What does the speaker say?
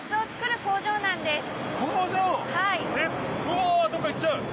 わあどっか行っちゃう！